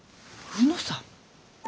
「卯之さん」？